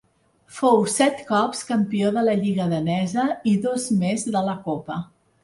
Fou set cops campió de la lliga danesa i dos més de la copa.